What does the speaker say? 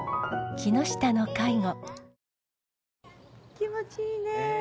気持ちいいね。